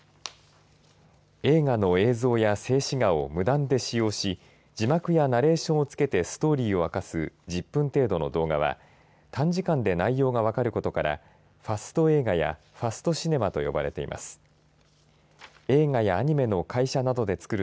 映画の映像や静止画を無断で使用し字幕やナレーションをつけてストーリーを明かす１０分程度の動画は短時間で内容が分かることからファスト映画やファストシネマと呼ばれています。